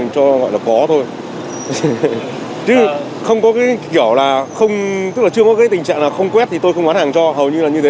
cái tình trạng là không quét thì tôi không quán hàng cho hầu như là như thế